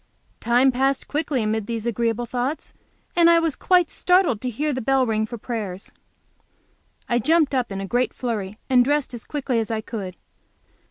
Time passed quickly amid these agreeable thoughts, and I was quite startled to hear the bell ring for prayers. I jumped up in a great flurry and dressed as quickly as I could.